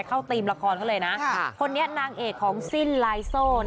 เข้าเตรียมละครเข้าเลยนะคนนี้นางเอกของสิ้นลายโซ่นะ